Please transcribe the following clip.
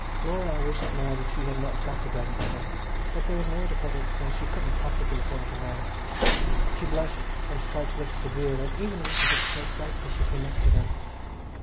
Laura wished now that she had not got the bread and butter, but there was nowhere to put it, and she couldn't possibly throw it away. She blushed and tried to look severe and even a little bit short sighted as she came up to them.